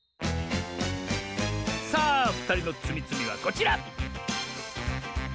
さあふたりのつみつみはこちら！